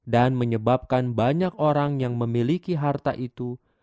dan menyebabkan banyak orang yang memiliki harta itu